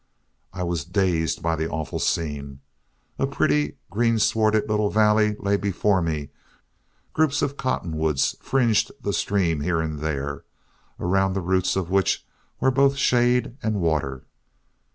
I was dazed by the awful scene. A pretty, greenswarded little valley lay before me, groups of cottonwoods fringed the stream here and there, around the roots of which were both shade and water.